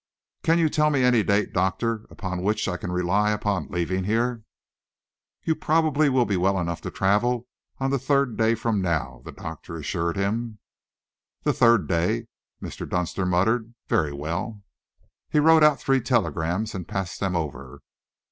"Can you tell me any date, Doctor, upon which I can rely upon leaving here?" "You will probably be well enough to travel on the third day from now," the doctor assured him. "The third day," Mr. Dunster muttered. "Very well." He wrote out three telegrams and passed them over.